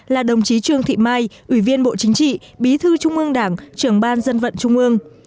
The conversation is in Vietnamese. là đồng chí trương thị mai ủy viên bộ chính trị bí thư trung ương đảng trưởng ban dân vận trung ương